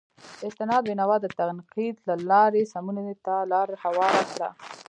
استناد بینوا د تنقید له لارې سمونې ته لار هواره کړه.